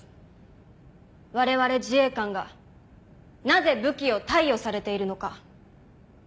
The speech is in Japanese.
われわれ自衛官がなぜ武器を貸与されているのか。